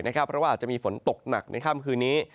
เพราะว่าอาจจะมีฝนตกหนักในค่ำคืนนี้